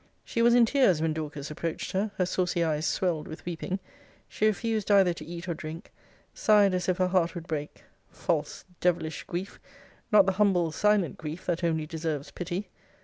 'She was in tears when Dorcas approached her; her saucy eyes swelled with weeping: she refused either to eat or drink; sighed as if her heart would break.' False, devilish grief! not the humble, silent, grief, that only deserves pity!